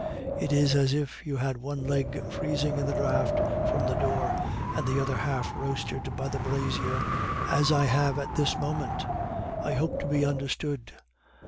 It is as if you had one leg freezing in the draught from the door, and the other half roasted by a brazier as I have at this moment. I hope to be understood.